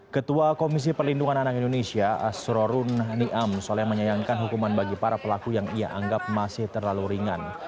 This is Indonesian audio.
ketua komisi perlindungan anak indonesia asrorun niam soalnya menyayangkan hukuman bagi para pelaku yang ia anggap masih terlalu ringan